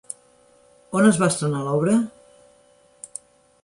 On es va estrenar l'obra?